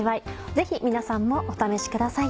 ぜひ皆さんもお試しください。